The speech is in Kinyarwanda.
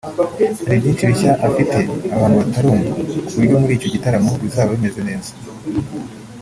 hari byinshi bishya afite abantu batarumva ku buryo muri icyo gitaramo bizaba bimeze neza